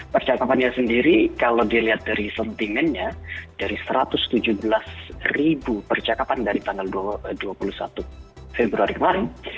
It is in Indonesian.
percakapannya sendiri kalau dilihat dari sentimennya dari satu ratus tujuh belas ribu percakapan dari tanggal dua puluh satu februari kemarin